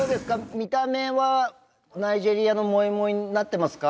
見た目はナイジェリアのモイモイになってますか？